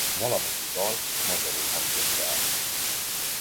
Valamennyi dal magyarul hangzott el.